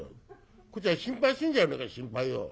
こっちは心配するじゃねえか心配を。